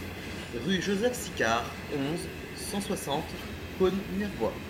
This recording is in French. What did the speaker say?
Rue Joseph Sicard, onze, cent soixante Caunes-Minervois